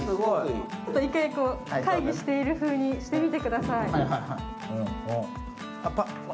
一回、会議しているふうにしてみてください。